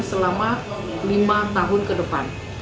selama lima tahun ke depan